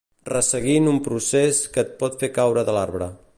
Resseguint un procés que et pot fer caure de l'arbre.